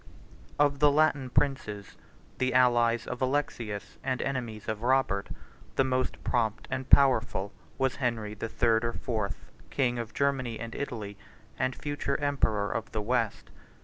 Of the Latin princes, the allies of Alexius and enemies of Robert, the most prompt and powerful was Henry the Third or Fourth, king of Germany and Italy, and future emperor of the West.